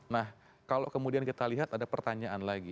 nah kalau kemudian kita lihat ada pertanyaan lagi